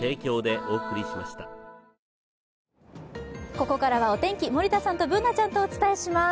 ここからはお天気、森田さんとＢｏｏｎａちゃんとお伝えします。